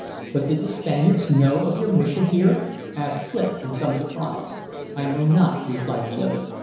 "But did the Spaniards know of your mission here?" asked Clif, in some surprise. "I know not," replied the other.